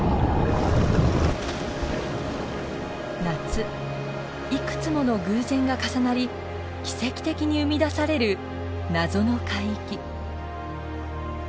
夏いくつもの偶然が重なり奇跡的に生み出される謎の海域。